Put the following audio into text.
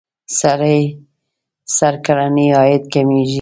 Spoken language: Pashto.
سړي سر کلنی عاید کمیږي.